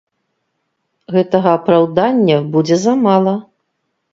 Гэтага апраўдання будзе замала.